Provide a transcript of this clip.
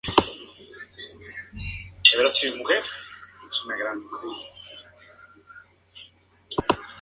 Relata las aventuras del pirata ficticio Barbarroja.